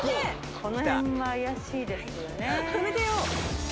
この辺も怪しいですよね。